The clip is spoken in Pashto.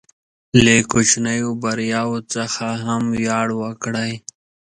له کوچنیو بریاوو څخه هم ویاړ وکړئ.